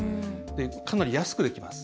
かなり安くできます。